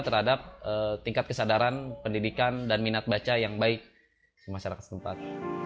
terhadap tingkat kesadaran pendidikan dan minat baca yang baik di masyarakat setempat